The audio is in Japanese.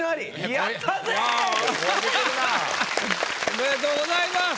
おめでとうございます。